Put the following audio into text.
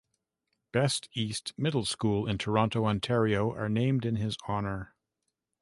Best East Middle School in Toronto, Ontario, are named in his honour.